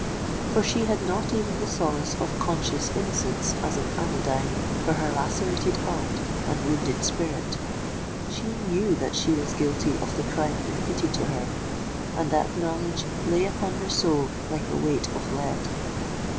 For she had not even the solace of conscious innocence as an anodyne for her lacerated heart and wounded spirit: she knew that she was guilty of the crime imputed to her—and that knowledge lay upon her soul like a weight of lead.